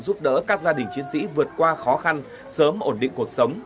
giúp đỡ các gia đình chiến sĩ vượt qua khó khăn sớm ổn định cuộc sống